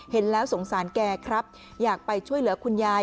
เห็นแล้วสงสารแกครับอยากไปช่วยเหลือคุณยาย